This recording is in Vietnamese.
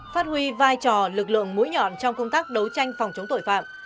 phát huy vai trò lực lượng mũi nhọn trong công tác đấu tranh phòng chống tội phạm